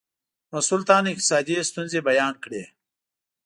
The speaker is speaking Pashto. مسئول تن اقتصادي ستونزې بیان کړې.